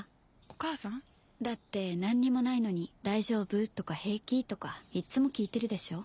お母さん？だって何にもないのに「大丈夫？」とか「平気？」とかいっつも聞いてるでしょ？